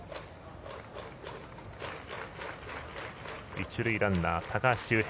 一塁ランナー、高橋周平。